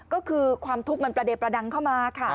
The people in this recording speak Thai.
ก็คือความทุกข์มันประเดประดังเข้ามาค่ะ